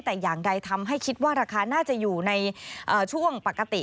แต่อย่างใดทำให้คิดว่าราคาน่าจะอยู่ในช่วงปกติ